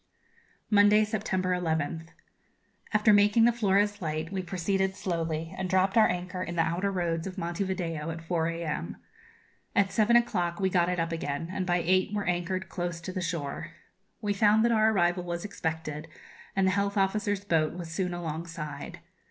Monday, September 11th. After making the Flores light we proceeded slowly, and dropped our anchor in the outer roads of Monte Video at 4 a.m. At seven o'clock we got it up again, and by eight were anchored close to the shore. We found that our arrival was expected, and the health officers' boat was soon alongside.